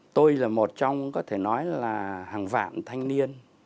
tôi là một trong có thể nói là hàng vạn thanh niên